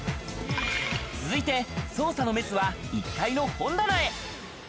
続いて、捜査のメスは１階の本棚へ。